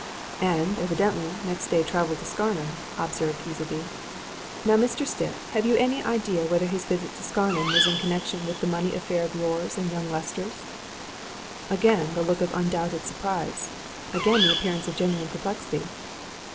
"And, evidently, next day travelled to Scarnham," observed Easleby. "Now, Mr. Stipp, have you any idea whether his visit to Scarnham was in connection with the money affair of yours and young Lester's?" Again the look of undoubted surprise; again the appearance of genuine perplexity.